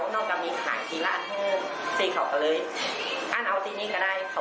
แล้วเขาก็บอกว่าอันปีกว่าตั้งละ